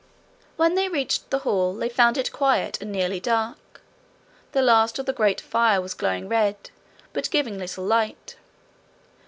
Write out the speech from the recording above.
When they reached the hall they found it quiet and nearly dark. The last of the great fire was glowing red, but giving little light.